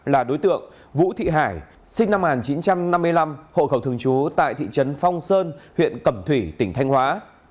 là đối tượng vũ thị hải sinh năm một nghìn chín trăm năm mươi năm hộ khẩu thường trú tại thị trấn phong sơn huyện cẩm thủy tỉnh thanh hóa